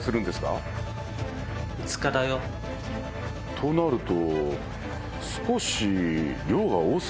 となると。